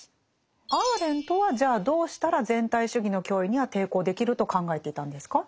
アーレントはじゃあどうしたら全体主義の脅威には抵抗できると考えていたんですか？